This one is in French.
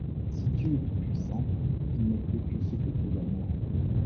Si Dieu est tout puissant, il ne peut que ce que peut l’amour.